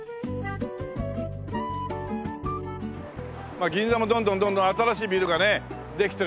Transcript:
まあ銀座もどんどんどんどん新しいビルがねできているという事で。